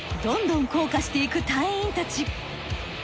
どんどん降下していく隊員たち。